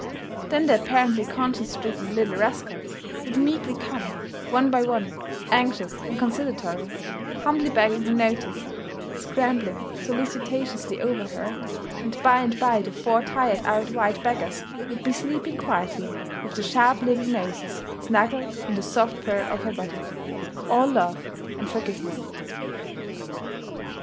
Then the apparently conscience stricken little rascals would meekly come, one by one, anxious and conciliatory, humbly begging her notice, scrambling solicitously over her, and by and by the four tired out white beggars would be sleeping quietly with their sharp little noses snuggled in the soft fur of her body, all love and forgiveness.